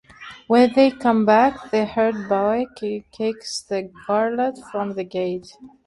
When they come back, the herd-boy cakes the garland from the gate.